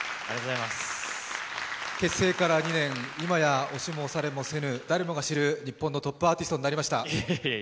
結成から２年、今や押しも押されもせぬ誰もが知る日本のトップアーティストになりました。